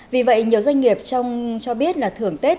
vì vậy nhiều doanh nghiệp trong cho biết là thưởng tết